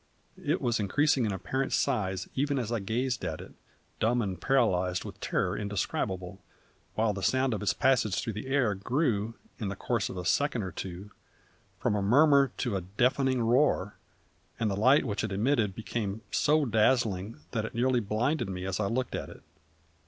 It was increasing in apparent size even as I gazed at it, dumb and paralysed with terror indescribable, while the sound of its passage through the air grew, in the course of a second or two, from a murmur to a deafening roar, and the light which it emitted became so dazzling that it nearly blinded me as I looked at it.